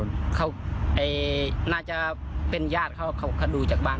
นู้นจากฝั่งกัมพูชามา